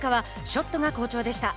ショットが好調でした。